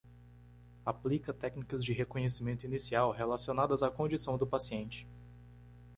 Aplica técnicas de reconhecimento inicial relacionadas à condição do paciente.